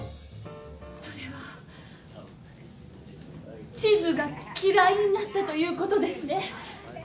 それは、チズが嫌いになったということですね。